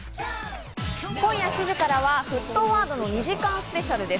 今夜７時からは『沸騰ワード』２時間スペシャルです。